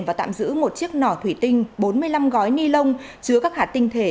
và tạm giữ một chiếc nỏ thủy tinh bốn mươi năm gói ni lông chứa các hạt tinh thể